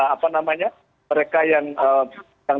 apa namanya mereka yang